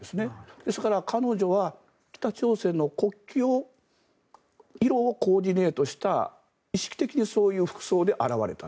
ですから、彼女は北朝鮮の国旗の色をコーディネートした意識的にそういう服装で現れたと。